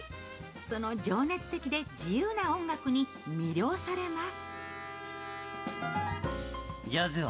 その情熱的で自由な音楽に魅了されます。